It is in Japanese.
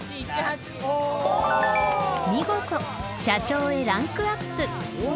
［見事社長へランクアップ］